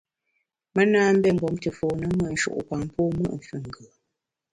Me na mbé mgbom te fone mùt nshu’pam pô mùt füngù.